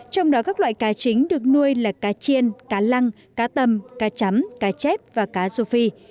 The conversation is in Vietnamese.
trong đó các loại cá chính được nuôi là cá chiên cá lăng cá tầm cá chấm cá chép và cá rô phi